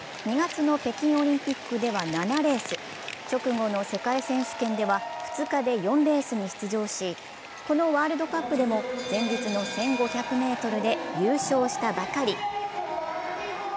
２月の北京オリンピックでは７レース直後の世界選手権では２日で４レースに出場し、このワールドカップでも前日の１５００ｍで優勝したばかり。